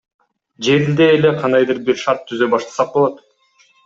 Жеринде эле кандайдыр бир шарт түзө баштасак болот.